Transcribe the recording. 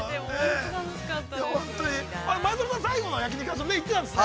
◆前園さん、最後の焼肉屋さん行ってたんですね。